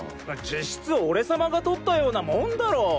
実質俺様が取ったようなもんだろ！